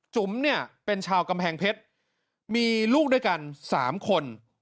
จุ๋มเนี่ยเป็นชาวกำแพงเพชรมีลูกด้วยกัน๓คน